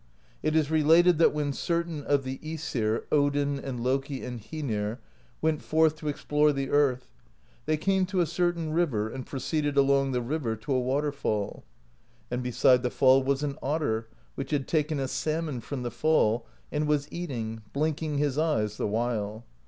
It is related that when certain of the ^sir, Odin and Loki and Hoenir, went forth to explore the earth, they came to a certain river, and proceeded along the river to a water fall. And beside the fall was an otter, which had taken a salmon from the fall and was eating, blinking his eyes the while.